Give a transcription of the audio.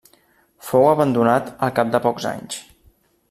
Fou abandonat al cap de pocs anys.